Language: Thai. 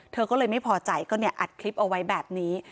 เธอก็เลยไม่พอใจก็เนี่ยอัดคลิปเอาไว้แบบนี้